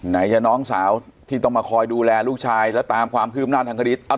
ไหนจะน้องสาวที่ต้องมาคอยดูแลลูกชายแล้วตามความคืบหน้าทางคดี